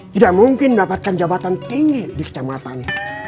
tidak mungkin mendapatkan jabatan tinggi di kecamatan